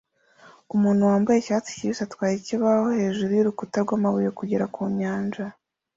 Umuntu wambaye icyatsi kibisi atwaye ikibaho hejuru yurukuta rwamabuye kugera ku nyanja